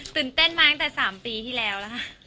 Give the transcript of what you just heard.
ตื่นเต้นมาตั้งแต่๓ปีที่แล้วแล้วค่ะ